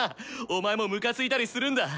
お前もムカついたりするんだ？